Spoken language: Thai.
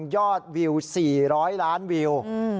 ยอดวิว๔๐๐ล้านวิว